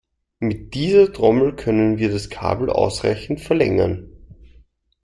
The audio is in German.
Mit dieser Trommel können wir das Kabel ausreichend verlängern.